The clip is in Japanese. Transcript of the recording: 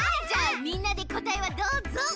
じゃあみんなでこたえをどうぞ。